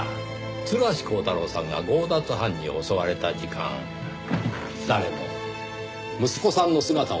鶴橋光太郎さんが強奪犯に襲われた時間誰も息子さんの姿を見た者はいなかった。